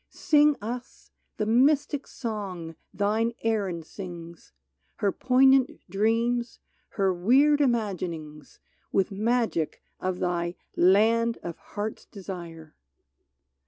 Sing us the mystic song thine Erin sings, Her poignant dreams, her weird imaginings. With magic of thy " Land of Heart's Desire